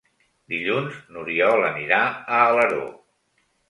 Dilluns n'Oriol anirà a Alaró.